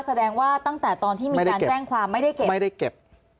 แสดงว่าตั้งแต่ตอนที่มีการแจ้งความไม่ได้เก็บ